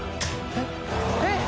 えっえっ！？